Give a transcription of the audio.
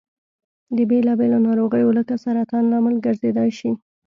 د بېلا بېلو نارغیو لکه سرطان لامل ګرځيدای شي.